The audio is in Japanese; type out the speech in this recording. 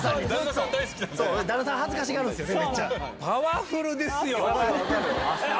旦那さん恥ずかしがるんすよね。